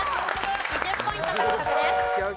２０ポイント獲得です。